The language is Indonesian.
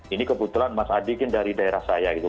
ini kebetulan mas adi kan dari daerah saya gitu